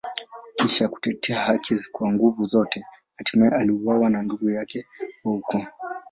Kisha kutetea haki kwa nguvu zote, hatimaye aliuawa na ndugu yake wa ukoo.